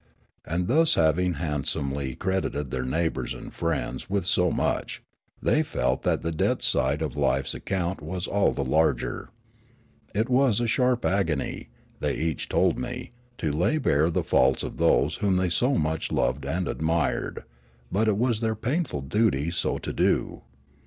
And thus having hand somely credited their neighbours and friends with so much, they felt that the debit side of life's account was all the larger. It was a sharp agony, they each told me, to lay bare the faults of those whom they so much loved and admired; but it was their painful duty so to do.